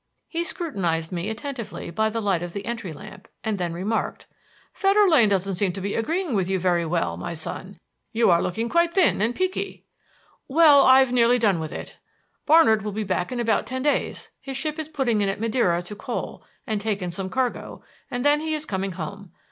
He scrutinized me attentively by the light of the entry lamp, and then remarked: "Fetter Lane doesn't seem to be agreeing with you very well, my son. You are looking quite thin and peaky." "Well, I've nearly done with it. Barnard will be back in about ten days. His ship is putting in at Madeira to coal and take in some cargo, and then he is coming home.